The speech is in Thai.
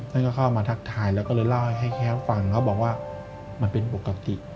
ท่านก็เข้ามาทักทายแล้วก็เลยเล่าให้แค้วฟังเขาบอกว่ามันเป็นปกติ